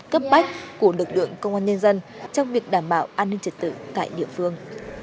cấp bách của lực lượng công an nhân dân trong việc đảm bảo an ninh trật tự tại địa phương